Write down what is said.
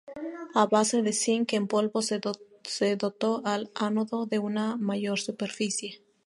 A base de zinc en polvo se dotó al ánodo de una mayor superficie.